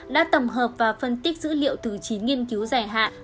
đã tổng hợp và phân tích dữ liệu từ chín nghiên cứu giải hạn